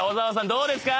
どうですか？